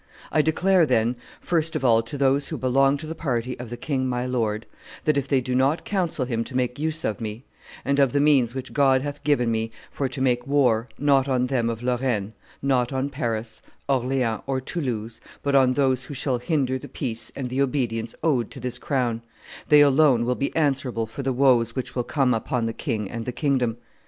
... I declare, then, first of all to those who belong to the party of the king my lord, that if they do not counsel him to make use of me, and of the means which God hath given me, for to make war, not on them of Lorraine, not on Paris, Orleans, or Toulouse, but on those who shall hinder the peace and the obedience owed to this crown, they alone will be answerable for the woes which will come upon the king and the kingdom.